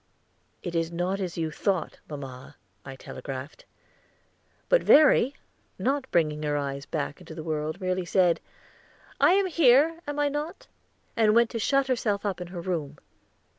"It is not as you thought, mamma," I telegraphed. But Verry, not bringing her eyes back into the world, merely said, "I am here, am I not?" and went to shut herself up in her room.